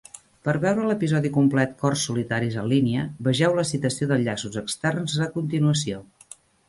Per veure l'episodi complet "cors solitaris" en línia, vegeu la citació d'enllaços externs a continuació.